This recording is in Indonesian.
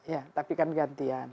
ya tapi kan gantian